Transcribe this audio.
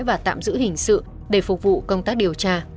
và tạm giữ hình sự để phục vụ công tác điều tra